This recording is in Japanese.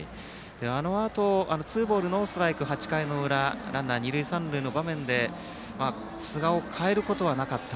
あのあとツーボールノーストライクの８回の裏ランナー、二塁三塁の場面で寿賀を代えることはなかった。